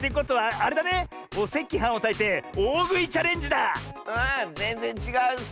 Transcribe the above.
あぜんぜんちがうッス！